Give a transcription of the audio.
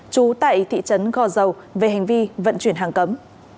trú tại thị trấn gò dầu về hành vi vận chuyển hàng cấm